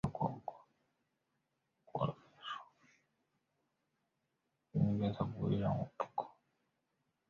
本节介绍拉祜纳方言语音。